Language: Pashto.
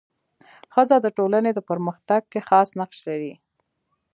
ښځه د ټولني په پرمختګ کي خاص نقش لري.